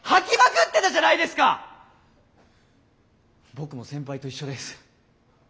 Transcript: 僕も先輩と一緒です。